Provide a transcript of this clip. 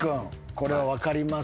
これは分かりますかね。